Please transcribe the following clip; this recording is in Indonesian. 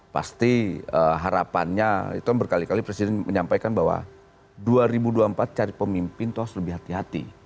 pasti harapannya itu kan berkali kali presiden menyampaikan bahwa dua ribu dua puluh empat cari pemimpin itu harus lebih hati hati